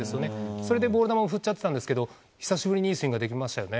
それでボール球を振っちゃってたんですけど久しぶりにいいスイングができましたよね。